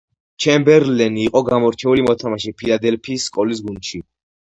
ჩემბერლენი იყო გამორჩეული მოთამაშე ფილადელფიის სკოლის გუნდში.